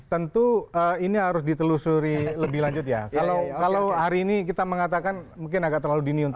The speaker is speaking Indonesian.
tentu ini harus ditelusuri lebih lanjut ya kalau hari ini kita mengatakan mungkin agak terlalu dini untuk